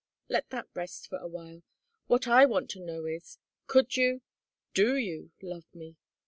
"Let that rest for a while. What I want to know is, could you do you love me?"